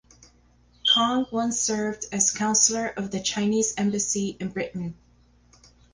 Cong once served as counsellor of the Chinese Embassy in Britain.